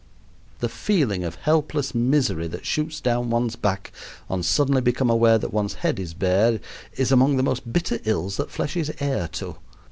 The feeling of helpless misery that shoots down one's back on suddenly becoming aware that one's head is bare is among the most bitter ills that flesh is heir to.